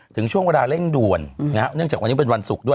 ถึงช่วงเวลาเร่งด่วนนะฮะเนื่องจากวันนี้เป็นวันศุกร์ด้วย